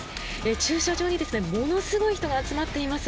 駐車場にものすごい人が集まっています。